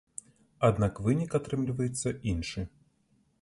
Аднак вынік атрымліваецца іншы.